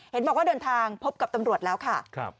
เห็นบอกว่าเดินทางพบกับตำรวจแล้วค่ะ